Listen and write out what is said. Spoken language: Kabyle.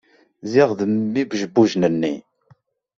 Ziɣ d mm ibejbujen-nni!...